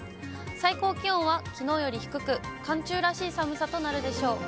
最高気温はきのうより低く、寒中らしい寒さとなるでしょう。